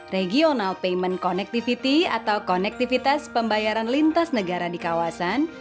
regional payment connectivity atau konektivitas pembayaran lintas negara di kawasan